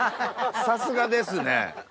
さすがですね。